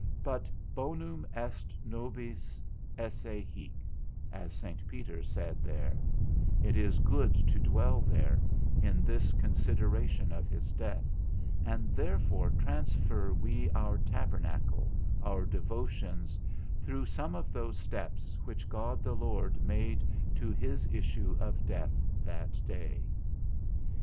But bonum est nobis esse hic (as Saint Peter said there), It is good to dwell here, in this consideration of his death, and therefore transfer we our tabernacle (our devotions) through some of those steps which God the Lord made to his issue of death that day.